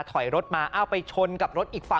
ถอยรถมาเอาไปชนกับรถอีกฝั่ง